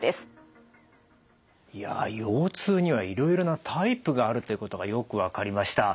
いや腰痛にはいろいろなタイプがあるということがよく分かりました。